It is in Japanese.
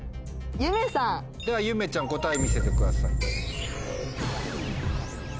ではゆめちゃん答え見せてください。